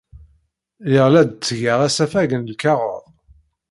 Lliɣ la d-ttgeɣ asafag n lkaɣeḍ.